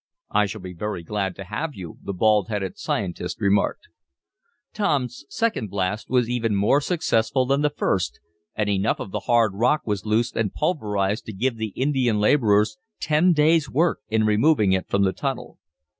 "I shall be very glad to have you," the bald headed scientist remarked. Tom's second blast was even more successful than the first, and enough of the hard rock was loosed and pulverized to give the Indian laborers ten days' work in removing it from the tunnel.